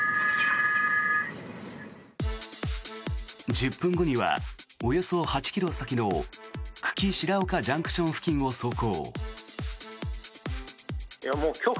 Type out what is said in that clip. １０分後にはおよそ８ｋｍ先の久喜白岡ＪＣＴ付近を走行。